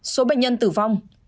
ba số bệnh nhân tử vong